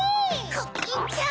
コキンちゃん！